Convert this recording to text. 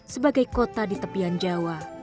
sebagai kota di tepian jawa